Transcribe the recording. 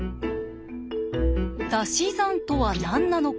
「たし算」とは何なのか？